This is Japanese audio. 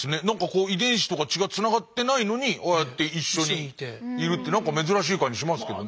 遺伝子とか血がつながってないのにああやって一緒にいるってなんか珍しい感じしますけどね。